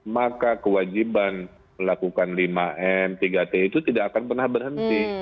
maka kewajiban melakukan lima m tiga t itu tidak akan pernah berhenti